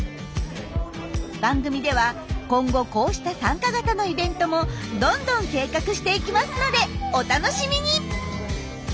番組では今後こうした参加型のイベントもどんどん計画していきますのでお楽しみに！